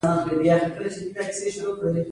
هغه د اورېدلو د دې نوې وسیلې په مرسته خوښ و